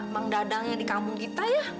mang dadang yang di kampung kita ya